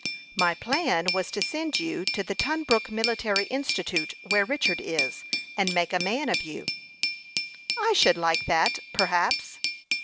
"My plan was to send you to the Tunbrook Military Institute, where Richard is, and make a man of you." "I should like that perhaps."